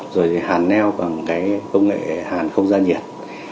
rồi hàn neo bằng công nghệ hàn không ra nhiệt